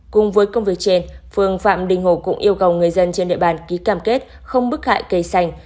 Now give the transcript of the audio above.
cùng với công việc trên phương phạm đình hồ cũng yêu cầu người dân trên địa bàn ký cam kết không bức hại cây xanh